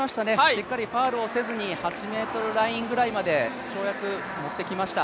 しっかりファウルをせずに８ｍラインぐらいまで跳躍持ってきました。